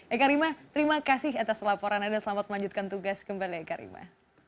eka rima terima kasih atas laporan anda selamat melanjutkan tugas kembali eka rima